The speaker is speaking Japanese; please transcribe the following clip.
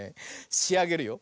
しあげるよ。